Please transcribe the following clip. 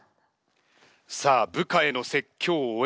さあ部下への説教を終えました。